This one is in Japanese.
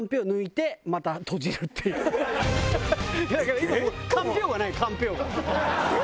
だから今もうかんぴょうがないかんぴょうが。